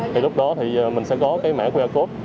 thì lúc đó thì mình sẽ có cái mã qr code